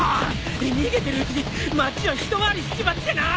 逃げてるうちに町を一回りしちまってなぁ！